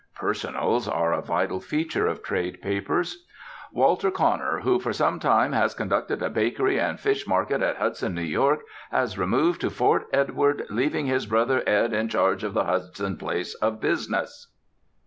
"Personals" are a vital feature of trade papers. "Walter Conner, who for some time has conducted a bakery and fish market at Hudson, N. Y., has removed to Fort Edward, leaving his brother Ed in charge at the Hudson place of business."